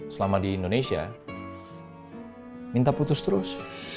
selama di indonesia minta putus terus